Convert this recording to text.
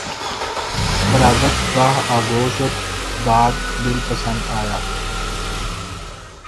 فراغت گاہ آغوش وداع دل پسند آیا